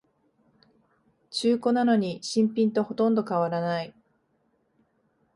中古なのに新品とほとんど変わらない